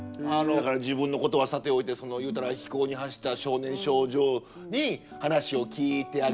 自分のことはさておいてそのいうたら非行に走った少年少女に話を聞いてあげて。